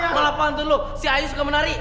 melapang dulu si ayu suka menari